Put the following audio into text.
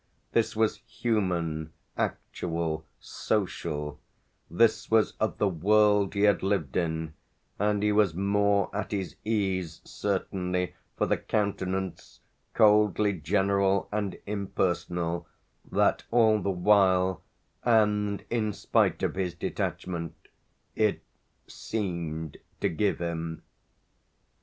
This was human actual social; this was of the world he had lived in, and he was more at his ease certainly for the countenance, coldly general and impersonal, that all the while and in spite of his detachment it seemed to give him.